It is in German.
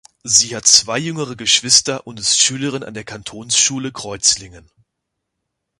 Sie hat zwei jüngere Geschwister und ist Schülerin an der Kantonsschule Kreuzlingen.